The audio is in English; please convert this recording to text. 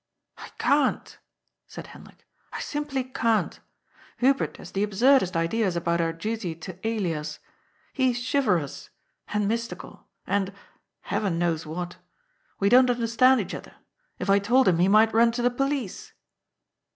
" I can't," said Hendrik, " I simply can't. Hubert has the absurdest ideas about our duty to Elias. He is chival rous. And mystical. And — Heaven knows what We don't understand each other. If I told him, he might run to the Police."